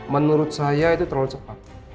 menurut saya itu terlalu cepat